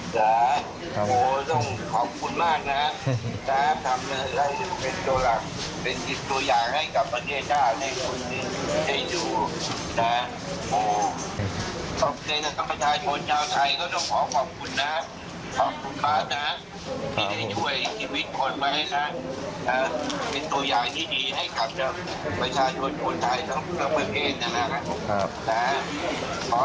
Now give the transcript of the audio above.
วันนี้ก็มีกระเช้าแล้วก็